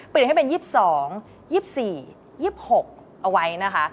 เปลี่ยนให้เป็น๒๒๒๔๒๖เอาไว้นะคะ